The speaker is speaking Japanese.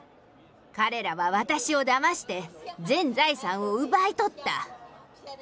彼らは私をだまして、全財産を奪い取った。